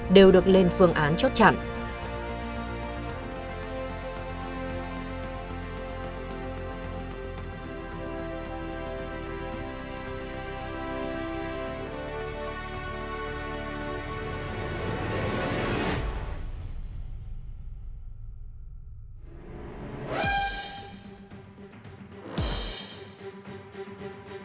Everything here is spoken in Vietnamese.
đều được lên phương án cho chẳng